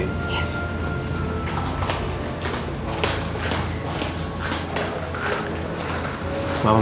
terima kasih buci